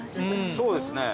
そうですね。